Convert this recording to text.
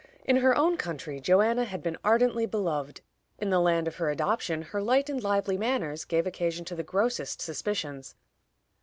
In her own country Joanna had been ardently beloved; in the land of her adoption her light and lively manners gave occasion to the grossest suspicions.